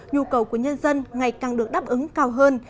nhu cầu của nhân dân ngày càng được đáp ứng cao hơn